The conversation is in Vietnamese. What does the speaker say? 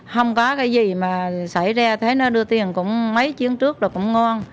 không có cái gì mà xảy ra thấy nó đưa tiền cũng mấy chiếc trước là cũng ngon